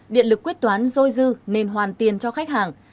điện lực quyết toán dôi dư nên hoàn tiền cho khách hàng